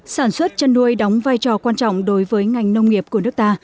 sản xuất chăn nuôi đóng vai trò quan trọng đối với ngành nông nghiệp của nước ta